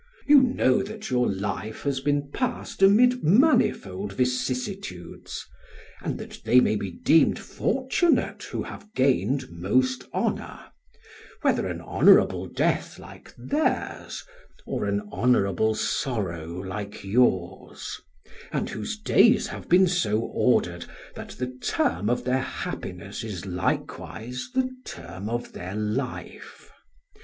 You know that your life has been passed amid manifold vicissitudes; and that they may be deemed fortunate who have gained most honour, whether an honourable death like theirs, or an honourable sorrow like yours, and whose days have been so ordered that the term of their happiness is likewise the term of their life...